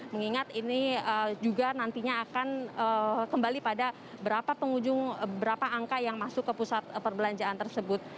mengingat ini juga nantinya akan kembali pada berapa pengunjung berapa angka yang masuk ke pusat perbelanjaan tersebut